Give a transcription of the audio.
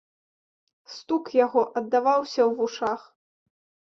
Стук яго аддаваўся ў вушах.